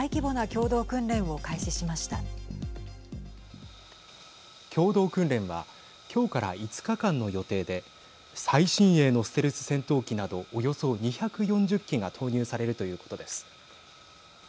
共同訓練は今日から５日間の予定で最新鋭のステルス戦闘機などおよそ２４０機が投入されるということです。